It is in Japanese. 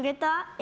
え？